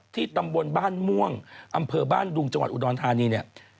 ตำบลบ้านม่วงอำเภอบ้านดุงจังหวัดอุดรธานีเนี่ย